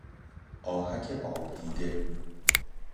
آهک آب دیده